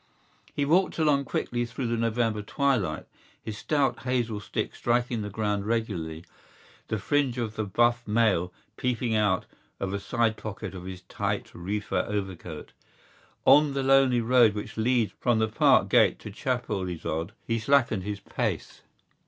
He walked along quickly through the November twilight, his stout hazel stick striking the ground regularly, the fringe of the buff Mail peeping out of a side pocket of his tight reefer overcoat. On the lonely road which leads from the Parkgate to Chapelizod he slackened his pace.